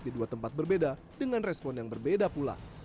di dua tempat berbeda dengan respon yang berbeda pula